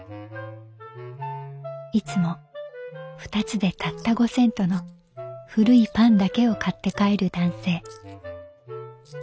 「いつも２つでたった５セントの古いパンだけを買って帰る男性」。